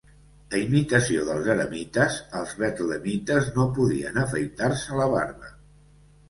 A imitació dels eremites, els betlemites no podien afaitar-se la barba.